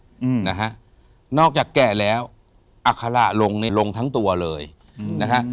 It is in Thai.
อืมนะฮะนอกจากแกะแล้วอัคระลงนี่ลงทั้งตัวเลยอืมนะฮะ